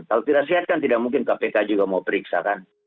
kalau tidak sehat kan tidak mungkin kpk juga mau periksa kan